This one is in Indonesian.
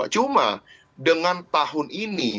cuma dengan tahun ini